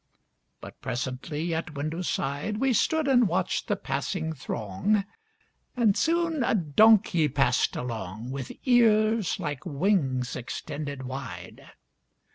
But presently at window side We stood and watched the passing throng, And soon a donkey passed along With ears like wings extended wide.